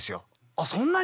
あっそんなに？